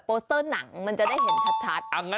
โอ้ดีจัง